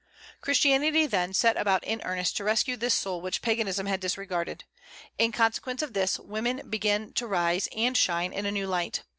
Christianity, then, set about in earnest to rescue this soul which Paganism had disregarded. In consequence of this, women began to rise, and shine in a new light.